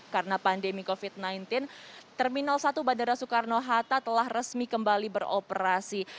karena pandemi covid sembilan belas terminal satu bandara soekarno hatta telah resmi kembali beroperasi